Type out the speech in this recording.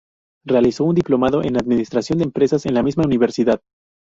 Realizó un diplomado en Administración de Empresas en la misma universidad.